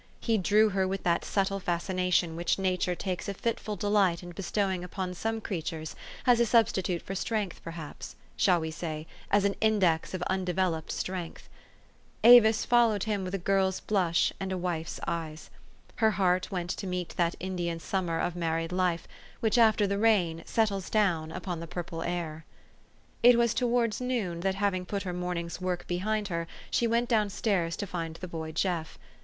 He drew her with that subtle fascination which Nature takes a fitful delight in bestowing upon some crea tures as a substitute for strength, perhaps, shall we say ? as an index of undeveloped strength. Avis followed him with a girl's blush and a wife's eyes. Her heart went to meet that Indian summer of married life, which, after the rain, settles down upon the purple air. It was towards noon, that, having put her morn ing's work well behind her, she went down stairs to find the boy Jeff.